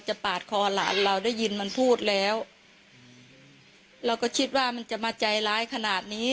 ปาดคอหลานเราได้ยินมันพูดแล้วเราก็คิดว่ามันจะมาใจร้ายขนาดนี้